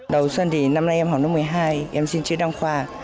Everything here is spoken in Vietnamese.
đầu xuân thì năm nay em học lớp một mươi hai em xin chuyên đăng khoa